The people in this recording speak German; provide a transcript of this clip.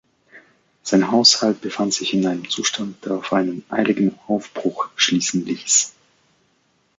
Sein Haushalt befand sich in einem Zustand, der auf einen eiligen Aufbruch schließen ließ.